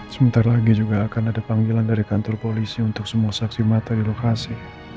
sebentar lagi juga akan ada panggilan dari kantor polisi untuk semua saksi mata di lokasi